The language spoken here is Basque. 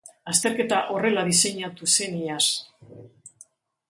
Azterketa horrela diseinatu zen iaz.